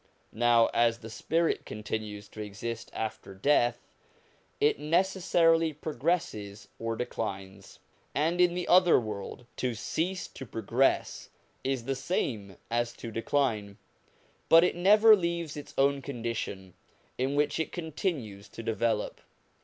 Now, as the spirit continues to exist after death, it necessarily progresses or declines; and in the other world, to cease to progress is the same as to decline ; but it never leaves its own condition, in which it con tinues to develop.